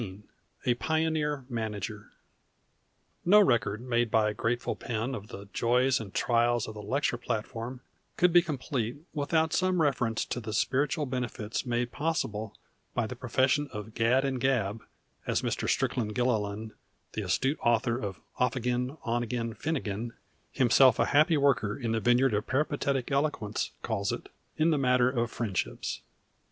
XVI A PIONEER MANAGER No record made by a grateful pen of the joys and trials of the lecture platform could be complete without some reference to the spiritual benefits made possible by the profession of "Gad and Gab," as Mr. Strickland Gillilan, the astute author of "Off Ag'in, On Ag'in, Finnigin," himself a happy worker in the vineyard of peripatetic eloquence, calls it, in the matter of friendships.